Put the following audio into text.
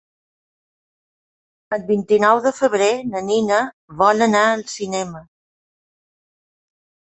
El vint-i-nou de febrer na Nina vol anar al cinema.